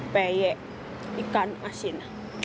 peyek ikan asin